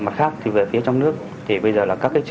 thì khi đấy